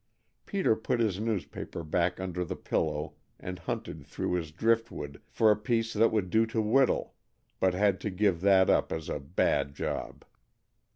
Peter put his newspaper back under the pillow and hunted through his driftwood for a piece that would do to whittle, but had to give that up as a bad job.